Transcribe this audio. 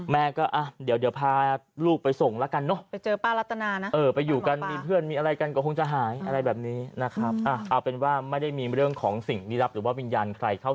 แม่ก็เดี๋ยวพาลูกไปส่งแล้วกันเนอะ